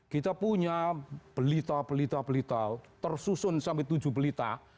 kita punya pelita pelita pelita tersusun sampai tujuh pelita